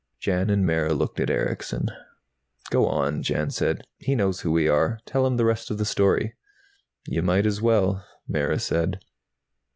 Jan and Mara looked at Erickson. "Go on," Jan said. "He knows who we are. Tell him the rest of the story." "You might as well," Mara said.